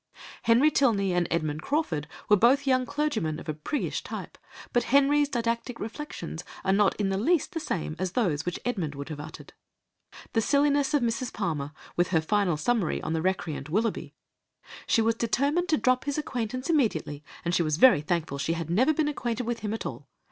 Henry Tilney and Edmund Crawford were both young clergymen of a priggish type, but Henry's didactic reflections are not in the least the same as those which Edmund would have uttered. The silliness of Mrs. Palmer, with her final summary on the recreant Willoughby, "She was determined to drop his acquaintance immediately, and she was very thankful she had never been acquainted with him at all.